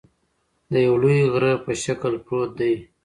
د یوه لوی غره په شکل پروت دى